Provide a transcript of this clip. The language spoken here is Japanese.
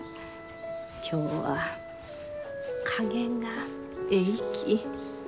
今日は加減がえいき。